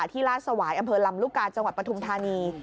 ลาดสวายอำเภอลำลูกกาจังหวัดปฐุมธานี